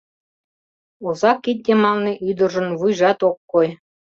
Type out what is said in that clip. Озак кид йымалне ӱдыржын вуйжат ок кой.